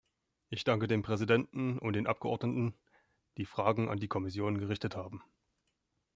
Ich danke dem Präsidenten und den Abgeordneten, die Fragen an die Kommission gerichtet haben.